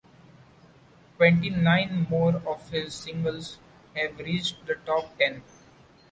Twenty-nine more of his singles have reached the top ten.